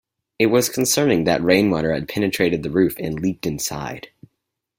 It was concerning that rainwater had penetrated the roof and leaked inside.